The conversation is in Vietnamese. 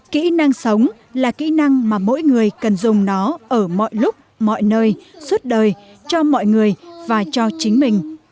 kỹ năng sống là kỹ năng mà mỗi người cần dùng nó ở mọi lúc mọi nơi suốt đời cho mọi người và cho chính mình